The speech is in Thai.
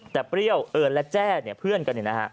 แต่เปรี้ยวเอิญและแจ้เพื่อนกันนะฮะ